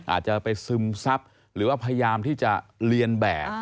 อาจจะไปซึมซับหรือว่าพยายามที่จะเรียนแบบ